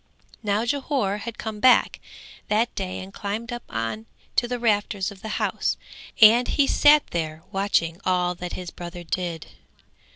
Now Jhore had come back that day and climbed up on to the rafters of the house, and he sat there watching all that his brother did.